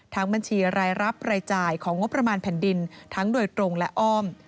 บัญชีรายรับรายจ่ายของงบประมาณแผ่นดินทั้งโดยตรงและอ้อม